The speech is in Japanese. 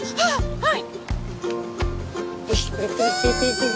はい！